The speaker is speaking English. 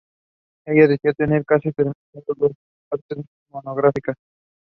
The mother also learns that she will have to leave the house shortly.